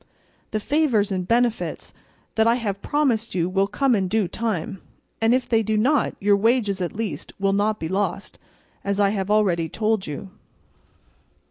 The favours and benefits that I have promised you will come in due time, and if they do not your wages at least will not be lost, as I have already told you."